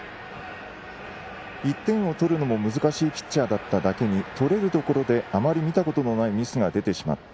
１点を取るのも難しいピッチャーだっただけにとれるところであまり見たことのないミスが出てしまった。